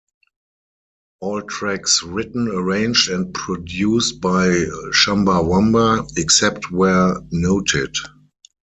All tracks written, arranged and produced by Chumbawamba, except where noted.